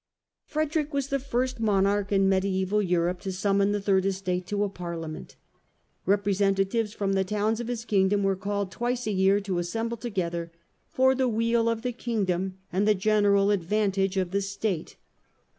Frederick was the first monarch in mediaeval Europe to summon the Third Estate to a Parliament. Repre sentatives from the towns of his Kingdom were called twice a year to assemble together " for the weal of the Kingdom and the general advantage of the State."